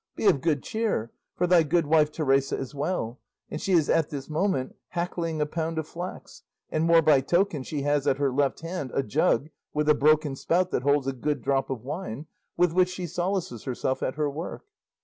Be of good cheer, for thy good wife Teresa is well, and she is at this moment hackling a pound of flax; and more by token she has at her left hand a jug with a broken spout that holds a good drop of wine, with which she solaces herself at her work."